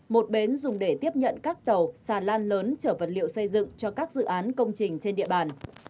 một bến dùng để tiếp nhận các tàu xà lan lớn chở vật liệu xây dựng cho các dự án công trình trên địa bàn